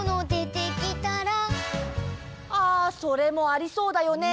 あそれもありそうだよね！